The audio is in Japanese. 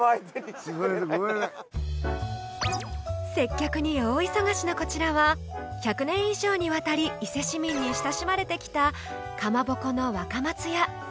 接客に大忙しのこちらは１００年以上にわたり伊勢市民に親しまれてきたかまぼこの「若松屋」